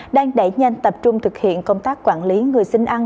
đang đẩy nhanh tập trung thực hiện công tác quản lý người xin ăn